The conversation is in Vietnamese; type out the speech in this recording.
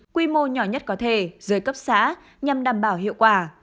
quy mô nhỏ nhất có thể dưới cấp xã nhằm đảm bảo hiệu quả